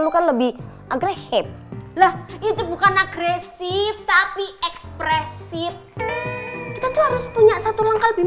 luka lebih agresif lah itu bukan agresif tapi ekspresif kita tuh harus punya satu langkah lebih